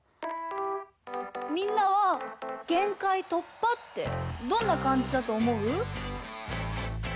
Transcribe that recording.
みんなは「限界突破」ってどんなかんじだとおもう？